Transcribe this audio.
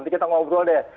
nanti kita ngobrol deh